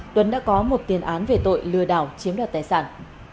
tuấn đã có một tiền án về tội lừa đảo chiếm đoạt tài sản